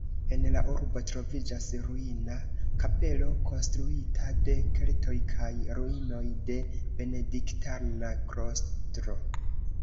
En la urbo troviĝas ruina kapelo konstruita de keltoj kaj ruinoj de benediktana klostro.